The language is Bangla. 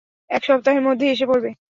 এক সপ্তাহের মধ্যেই এসে পড়বে।